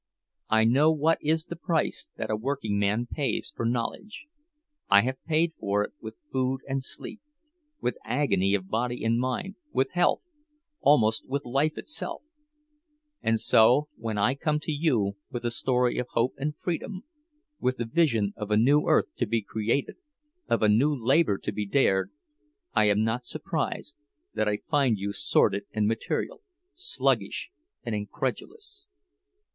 I know what is the price that a working man pays for knowledge—I have paid for it with food and sleep, with agony of body and mind, with health, almost with life itself; and so, when I come to you with a story of hope and freedom, with the vision of a new earth to be created, of a new labor to be dared, I am not surprised that I find you sordid and material, sluggish and incredulous.